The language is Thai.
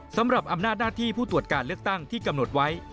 สำหรับอำนาจหน้าที่ผู้ตรวจการเลือกตั้งที่กำหนดไว้